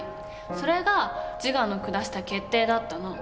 それがジガの下した決定だったの。